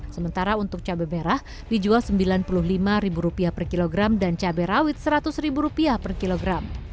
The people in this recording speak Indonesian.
sementara untuk cabai merah dijual rp sembilan puluh lima per kilogram dan cabai rawit rp seratus per kilogram